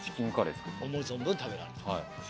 思う存分食べられた？